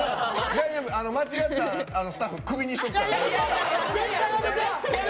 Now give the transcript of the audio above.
大丈夫、間違ったスタッフクビにしてるから。